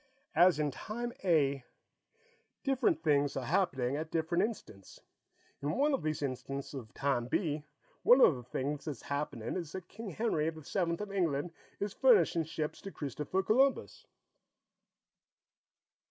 As in Time A, different things are happening at different instants. In one of these instants of Time B, one of the things that's happening is that King Henry the Seventh of England is furnishing ships to Christopher Columbus."